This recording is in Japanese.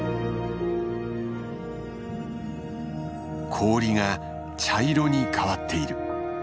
氷が茶色に変わっている。